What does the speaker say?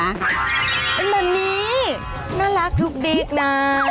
แบบนี้น่ารักดูดีนะ